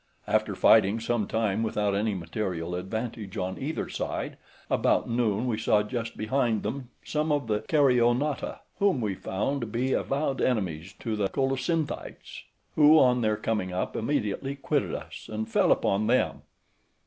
After fighting some time without any material advantage on either side, about noon we saw just behind them some of the Caryonautae, {141a} whom we found to be avowed enemies to the Colocynthites, {141b} who, on their coming up, immediately quitted us, and fell upon them.